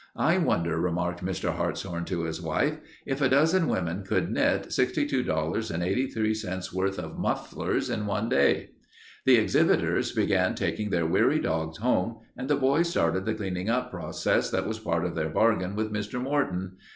"I wonder," remarked Mr. Hartshorn to his wife, "if a dozen women could knit $62.83 worth of mufflers in one day." The exhibitors began taking their weary dogs home and the boys started the cleaning up process that was part of their bargain with Mr. Morton.